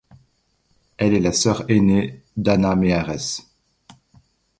Elle est la sœur aînée d'Anna Meares.